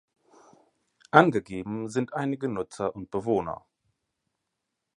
Angegeben sind einige Nutzer und Bewohner